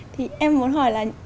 thì em muốn hỏi là